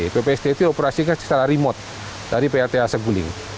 popst itu dioperasikan secara remote dari plta sapuling